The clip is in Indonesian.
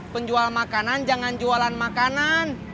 penjual makanan jangan jualan makanan